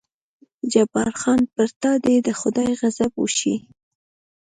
جبار خان: پر تا دې د خدای غضب وشي.